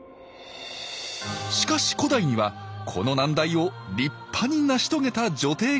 しかし古代にはこの難題を立派に成し遂げた女帝がいました。